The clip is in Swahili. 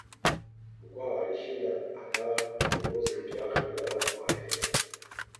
Mkwawa alishinda akawa kiongozi mpya wa kabila la Wahehe